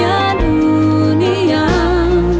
ini dulu nih biar enak kan